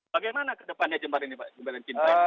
bagaimana ke depannya jembatan ini pak jembatan pinjaman